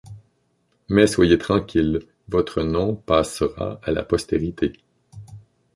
Mais soyez tranquille: votre nom passera à la postérité.